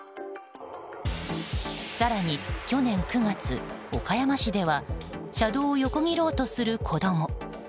更に去年９月、岡山市では車道を横切ろうとする子供。